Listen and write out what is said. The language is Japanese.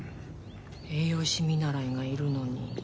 栄養士見習いがいるのに。